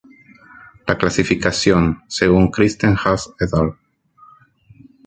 La clasificación, según Christenhusz "et al".